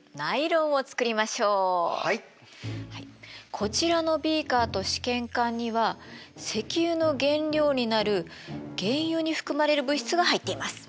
こちらのビーカーと試験管には石油の原料になる原油に含まれる物質が入っています。